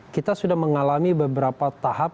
kita sudah mengalami beberapa tahap